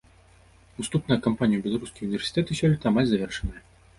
Уступная кампанія ў беларускія ўніверсітэты сёлета амаль завершаная.